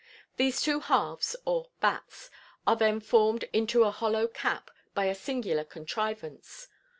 These two halves, or "batts," are then formed into a hollow cap by a singular contrivance.